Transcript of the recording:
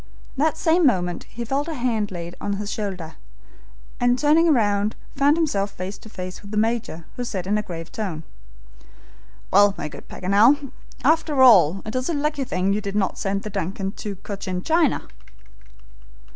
That same moment he felt a hand laid on his shoulder, and turning round found himself face to face with the Major, who said in a grave tone: "Well, my good Paganel, after all, it is a lucky thing you did not send the DUNCAN to Cochin China!"